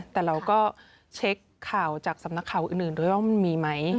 แต่เราก็เช็คข่าวจากสำนักข่าวอื่นด้วยว่ามันมีไหม